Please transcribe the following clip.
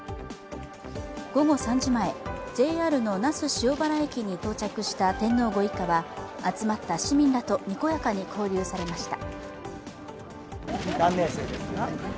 午後３時前、ＪＲの那須塩原駅に到着した天皇ご一家は集まった市民らと、にこやかに交流されました。